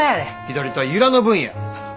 左手は由良の分や。